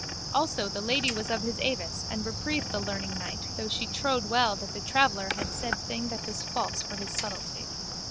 Also the lady was of his avis and repreved the learningknight though she trowed well that the traveller had said thing that was false for his subtility.